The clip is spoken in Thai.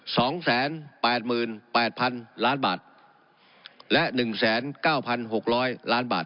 สองแสนแปดหมื่นแปดพันล้านบาทและหนึ่งแสนเก้าพันหกร้อยล้านบาท